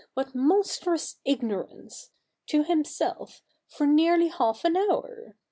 What monstrous ignor ance !" to himself for nearly half an hour.